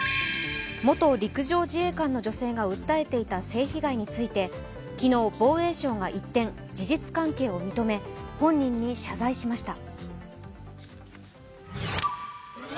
元陸上自衛官の女性が訴えていたセクハラについて昨日、防衛省が一転事実関係を認め本人に謝罪しました。